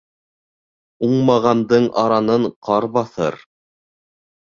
Уңмағандың аранын ҡар баҫыр.